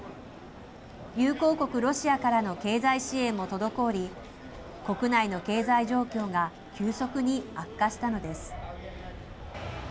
友好国ロシアからの経済支援も滞り、国内の経済状況が急速に悪化したのです。